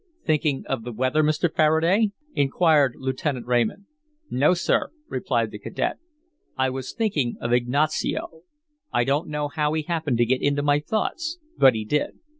"Thinking of the weather, Mr. Faraday?" inquired Lieutenant Raymond. "No, sir," replied the cadet, "I was thinking of Ignacio. I don't know how he happened to get into my thoughts, but he did."